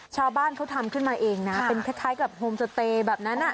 ชาวบ้านเขาทำขึ้นมาเองนะเป็นคล้ายกับโฮมสเตย์แบบนั้น